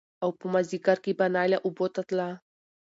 او په مازديګر کې به نايله اوبو ته تله